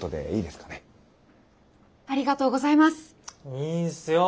いいんすよ。